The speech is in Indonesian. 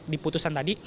di putusan tadi